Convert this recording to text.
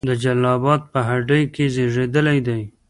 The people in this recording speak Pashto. د جلال آباد په هډې کې زیږیدلی دی.